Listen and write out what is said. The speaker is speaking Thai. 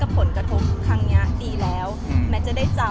แม็กซ์ก็คือหนักที่สุดในชีวิตเลยจริง